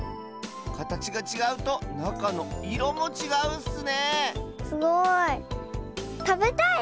かたちがちがうとなかのいろもちがうッスねえすごい。